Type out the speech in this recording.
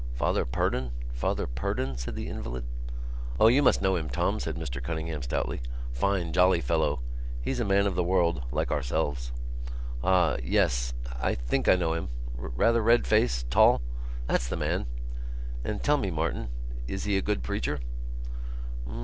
"Father Purdon? Father Purdon?" said the invalid. "O, you must know him, Tom," said Mr Cunningham stoutly. "Fine jolly fellow! He's a man of the world like ourselves." "Ah, ... yes. I think I know him. Rather red face; tall." "That's the man." "And tell me, Martin.... Is he a good preacher?"